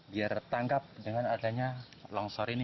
biar tanggap dengan adanya longsor ini